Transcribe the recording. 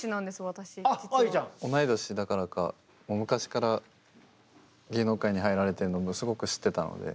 同い年だからかもう昔から芸能界に入られてるのもすごく知ってたので。